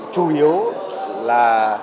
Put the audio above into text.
chủ yếu là